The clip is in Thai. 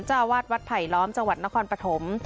เจ้าอาวาสวัดไผลล้อมจังหวัดนครปฐม